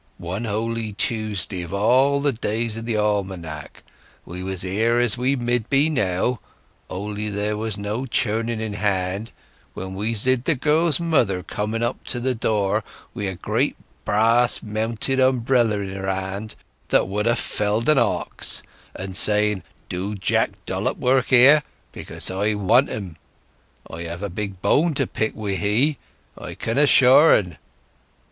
One Holy Thursday of all days in the almanack, we was here as we mid be now, only there was no churning in hand, when we zid the girl's mother coming up to the door, wi' a great brass mounted umbrella in her hand that would ha' felled an ox, and saying 'Do Jack Dollop work here?—because I want him! I have a big bone to pick with he, I can assure 'n!